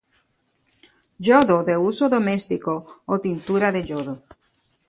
Yodo de uso doméstico o tintura de yodo.